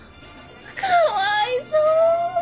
かわいそう！